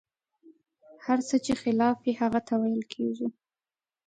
هر څه چې خلاف وي، هغه تاویل کېږي.